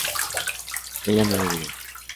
¿ella no bebía?